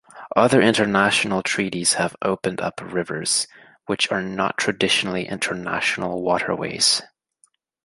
Other international treaties have opened up rivers, which are not traditionally international waterways.